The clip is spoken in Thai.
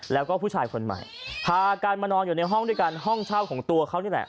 แล้วก็ผู้ชายคนใหม่พากันมานอนอยู่ในห้องด้วยกันห้องเช่าของตัวเขานี่แหละ